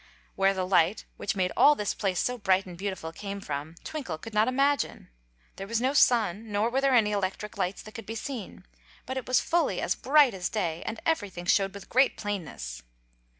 Where the light, which made all this place so bright and beautiful, came from, Twinkle could not imagine. There was no sun, nor were there any electric lights that could be seen; but it was fully as bright as day and everything showed with great plainness.